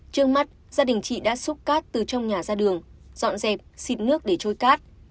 trước mắt gia đình chị đã xúc cát từ trong nhà ra đường dọn dẹp xịt nước để trôi cát